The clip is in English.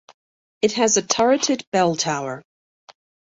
It has a turreted bell tower.